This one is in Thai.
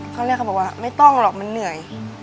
เขาเรียกเขาบอกว่าไม่ต้องหรอกมันเหนื่อย